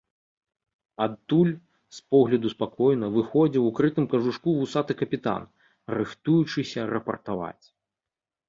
Адтуль, з погляду спакойна, выходзіў у крытым кажушку вусаты капітан, рыхтуючыся рапартаваць.